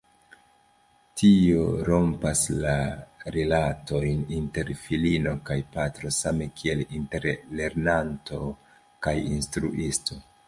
Tio rompas la rilatojn inter filino kaj patro same kiel inter lernanto kaj instruisto.